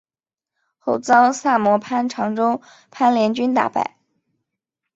后遭萨摩藩长州藩联军打败。